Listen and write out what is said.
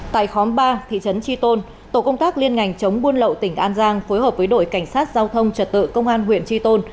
tại khóm ba thị trấn tri tôn tổ công tác liên ngành chống buôn lậu tỉnh an giang phối hợp với đội cảnh sát giao thông trật tự công an huyện tri tôn